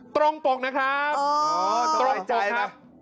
ตรงปกนะครับตรงใจครับ